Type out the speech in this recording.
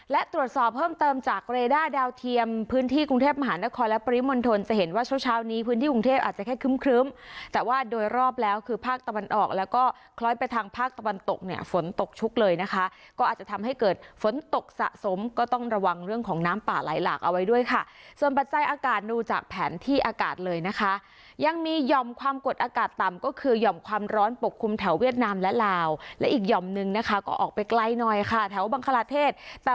และตรวจสอบเพิ่มเติมจากเรด้าดาวเทียมพื้นที่กรุงเทพมหานครและปริมลทนจะเห็นว่าช่วงเช้านี้พื้นที่กรุงเทพอาจจะแค่ครึ้มแต่ว่าโดยรอบแล้วคือภาคตะวันออกแล้วก็คล้อยไปทางภาคตะวันตกเนี่ยฝนตกชุกเลยนะคะก็อาจจะทำให้เกิดฝนตกสะสมก็ต้องระวังเรื่องของน้ำป่าไหลหลากเอาไว้ด้วยค่ะ